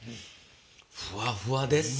ふわふわでっせ。